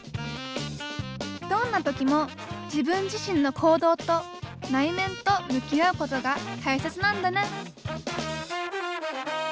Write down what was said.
どんな時も自分自身の行動と内面と向き合うことが大切なんだね